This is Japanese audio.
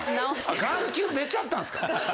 眼球出ちゃったんですか？